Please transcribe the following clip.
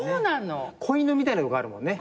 子犬みたいなとこあるもんね。